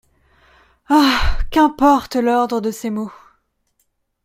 Ah ! qu’importe l’ordre de ces mots ?…